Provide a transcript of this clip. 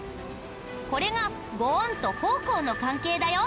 これが御恩と奉公の関係だよ。